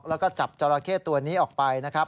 แล้วก็จับจราเข้ตัวนี้ออกไปนะครับ